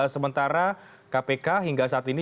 sementara kpk hingga saat ini